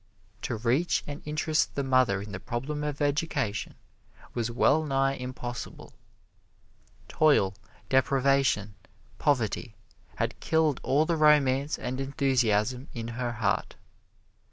To reach and interest the mother in the problem of education was well nigh impossible. Toil, deprivation, poverty, had killed all the romance and enthusiasm in her heart.